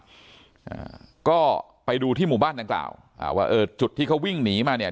อ่าก็ไปดูที่หมู่บ้านดังกล่าวอ่าว่าเออจุดที่เขาวิ่งหนีมาเนี่ย